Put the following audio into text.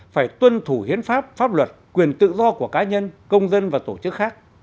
phải tuân thủ hiến pháp pháp luật quyền tự do của cá nhân công dân và tổ chức khác